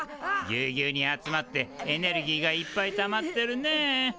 ギュギュに集まってエネルギーがいっぱいたまってるねえ。